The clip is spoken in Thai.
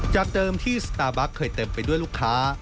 จากเดิมที่สตาร์บัคเคยเต็มไปด้วยลูกค้า